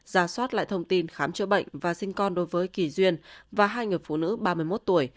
ra soát lại thông tin khám chữa bệnh và sinh con đối với kỳ duyên và hai người phụ nữ ba mươi một tuổi